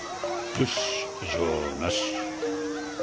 よし異常なし。